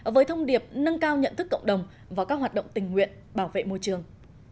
với thông điệp nâng cao nhận thức cộng đồng và các hoạt động tình nguyện bảo vệ môi trường